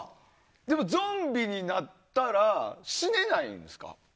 でも、ゾンビになったら死ねないんですか？